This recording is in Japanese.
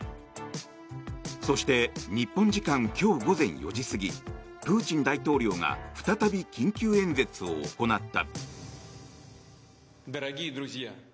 そして日本時間今日午前４時過ぎプーチン大統領が再び緊急演説を行った。